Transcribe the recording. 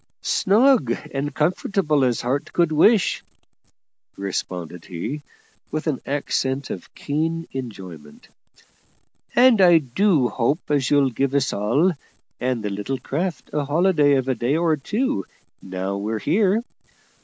"Snug and comfortable as heart could wish," responded he, with an accent of keen enjoyment; "and I do hope as you'll give us all, and the little craft, a holiday of a day or two, now we're here.